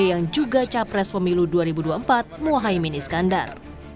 yang juga capres pemilu dua ribu dua puluh empat muhaymin iskandar